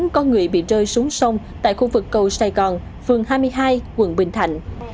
có người bị rơi xuống sông tại khu vực cầu sài gòn phường hai mươi hai quận bình thạnh